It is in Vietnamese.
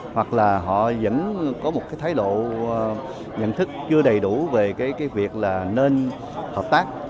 hoặc là họ vẫn có một thái độ nhận thức chưa đầy đủ về việc nên hợp tác